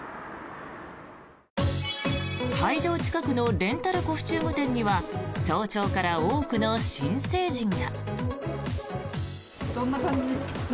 会場近くのレンタルコスチューム店には早朝から多くの新成人が。